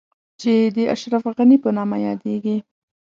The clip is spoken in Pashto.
چې د اشرف غني په نامه يادېږي.